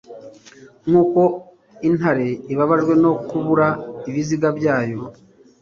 Nkuko intare ibabajwe no kubura ibiziga byayo